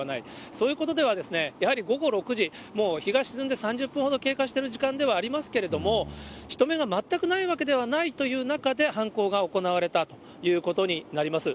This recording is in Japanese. そういうことではやはり午後６時、もう日が沈んで３０分ほど経過している時間ではありますけれども、人目が全くないわけではないという中で、犯行が行われたということになります。